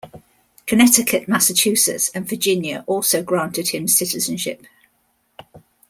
Connecticut, Massachusetts, and Virginia also granted him citizenship.